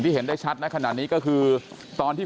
คุณภูริพัฒน์บุญนิน